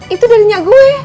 itu dari nyak gue